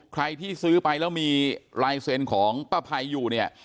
ใครที่ซื้อไปแล้วมีลายเซ็นต์ของป้าภัยอยู่เนี่ย